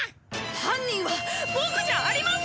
犯人はボクじゃありません！